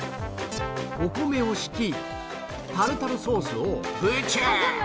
お米を敷きタルタルソースをぶちゅ